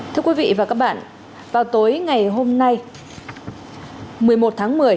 thưa quý vị và các bạn vào tối ngày hôm nay một mươi một tháng một mươi